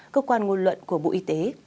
cơ quan ngôn luận của bộ y tế